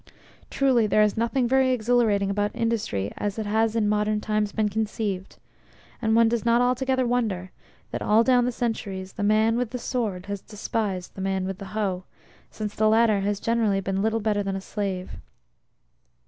Truly there is nothing very exhilarating about Industry as it has in modern times been conceived, and one does not altogether wonder that all down the centuries the man with the sword has despised the man with the hoe, since the latter has generally been little better than a slave.